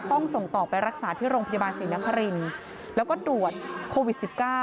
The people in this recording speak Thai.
ต้องส่งต่อไปรักษาที่โรงพยาบาลศรีนครินแล้วก็ตรวจโควิด๑๙